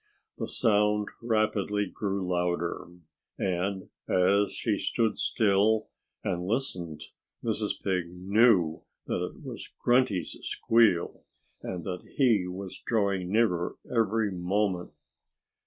The sound rapidly grew louder. And as she stood still and listened, Mrs. Pig knew that it was Grunty's squeal and that he was drawing nearer every moment.